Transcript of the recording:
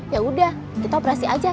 ya udah kita operasi aja